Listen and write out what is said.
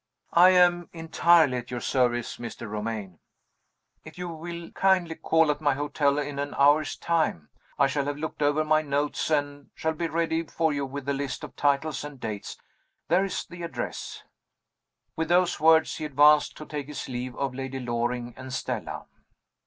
"I am entirely at your service, Mr. Romayne." "If you will kindly call at my hotel in an hour's time, I shall have looked over my notes, and shall be ready for you with a list of titles and dates. There is the address." With those words, he advanced to take his leave of Lady Loring and Stella.